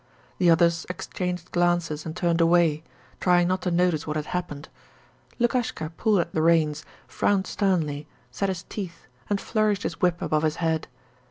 The others exchanged glances and turned away, trying not to notice what had happened. Lukaskha pulled at the reins, frowned sternly, set his teeth, and flourished his whip above his head.